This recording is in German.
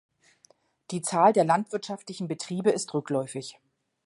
Die Zahl der landwirtschaftlichen Betriebe ist rückläufig.